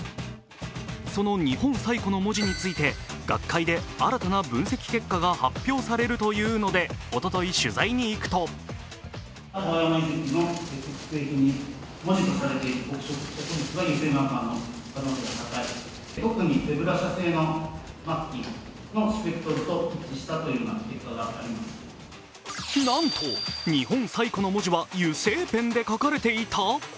その日本最古の文字について、学会で新たな分析結果が発表されるというのでおととい取材に行くとなんと、日本最古の文字は油性ペンで書かれていた？